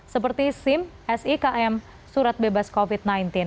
seperti sim sikm surat bebas covid sembilan belas